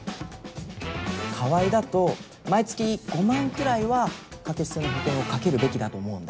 川合だと毎月５万くらいは掛け捨ての保険をかけるべきだと思うんだ。